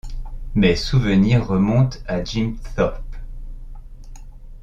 Mes souvenirs remontent à Jim Thorpe.